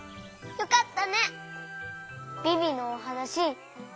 よかった！